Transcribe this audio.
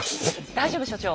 大丈夫所長。